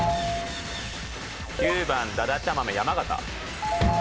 ９番だだちゃ豆山形。